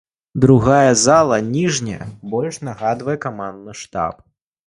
Другая зала, ніжняя, больш нагадвае камандны штаб.